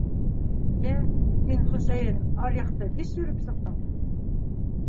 — Йә, һин, Хөсәйен, аръяҡты вис йөрөп сыҡтыңмы?